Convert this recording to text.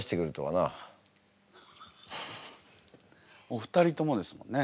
お二人ともですもんね。